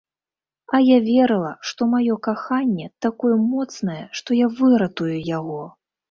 А я верыла, што маё каханне такое моцнае, што я выратую яго.